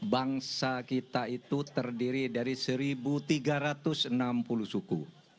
bangsa kita itu terdiri dari satu tiga ratus enam puluh suku